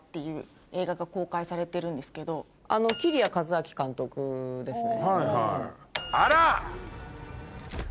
紀里谷和明監督ですね。